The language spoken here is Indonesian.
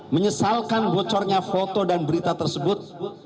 menyesalkan bocornya foto dan berita tersebut